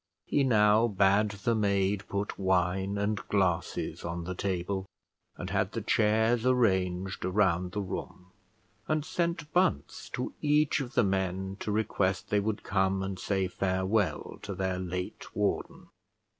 He now bade the maid put wine and glasses on the table; and had the chairs arranged around the room; and sent Bunce to each of the men to request they would come and say farewell to their late warden.